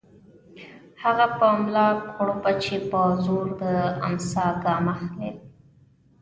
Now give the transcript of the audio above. هغه په ملا کړوپه چې په زور د امساء ګام اخلي